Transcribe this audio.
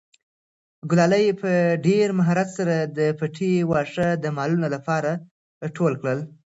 ګلالۍ په ډېر مهارت سره د پټي واښه د مالونو لپاره ټول کړل.